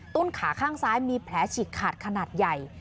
ต้นขาข้างซ้ายมีแผลฉีกขาดขนาดใหญ่